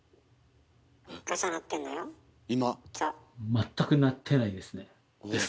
全く鳴ってないですね。ですね。